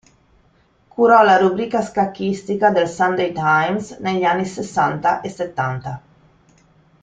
Curò la rubrica scacchistica del Sunday Times negli anni sessanta e settanta.